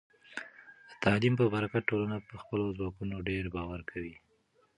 د تعلیم په برکت، ټولنه په خپلو ځواکونو ډیر باور کوي.